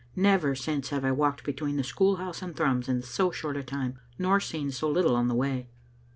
Never since have I walked between the school house and Thrums in so short a time, nor seen so little on the way.